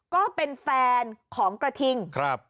ก็เป็นแฟนของกระทิง